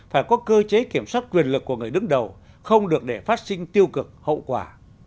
phải có cơ chế kiểm soát quyền lực của người đứng đầu không được để phát sinh tiêu cực hậu quả